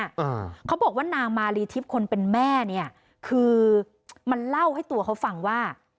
อ่าเขาบอกว่านางมาลีทิพย์คนเป็นแม่เนี้ยคือมันเล่าให้ตัวเขาฟังว่า